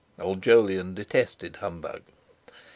Old Jolyon detested humbug.